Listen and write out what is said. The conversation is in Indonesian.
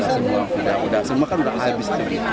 semua kan sudah habis